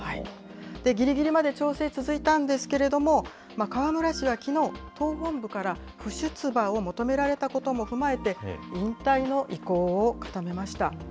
ぎりぎりまで調整続いたんですけれども、河村氏はきのう、党本部から不出馬を求められたことも踏まえて、引退の意向を固めました。